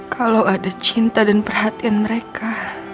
kalau ada cinta dan perhatian mereka